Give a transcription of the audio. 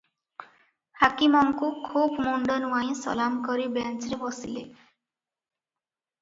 ହାକିମଙ୍କୁ ଖୁବ୍ ମୁଣ୍ଡ ନୁଆଁଇ ସଲାମ କରି ବେଞ୍ଚରେ ବସିଲେ ।